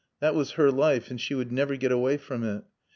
That was her life and she would never get away from it.